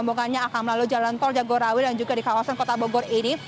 rombongannya akan melalui jalan tol jagorawi dan juga di kawasan kota bogor ini